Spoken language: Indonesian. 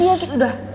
tahan lo khusus udah